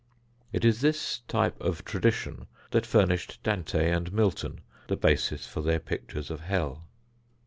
It is this type of tradition that furnished Dante and Milton the basis for their pictures of hell.